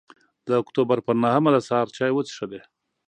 د اکتوبر پر نهمه د سهار چای وڅښلې.